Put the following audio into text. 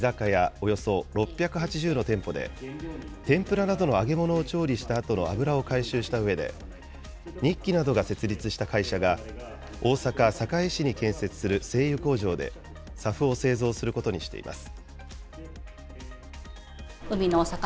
およそ６８０の店舗で、天ぷらなどの揚げ物を調理したあとの油を回収したうえで、日揮などが設立した会社が、大阪・堺市に建設する製油工場でＳＡＦを製造することにしています。